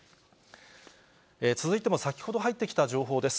続いても先ほど入ってきた情報です。